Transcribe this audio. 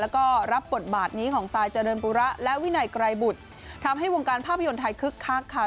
แล้วก็รับบทบาทนี้ของซายเจริญปุระและวินัยไกรบุตรทำให้วงการภาพยนตร์ไทยคึกคักค่ะ